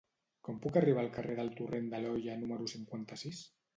Com puc arribar al carrer del Torrent de l'Olla número cinquanta-sis?